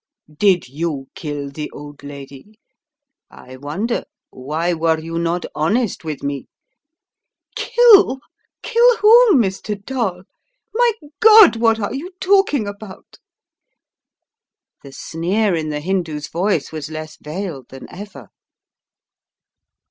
Did you kill the old lady? I wonder — why were you not honest with me?" "Kill? Kill whom, Mr. Dall? My God, what are you talking about? " The sneer in the Hindoo's voice was less veiled than ever.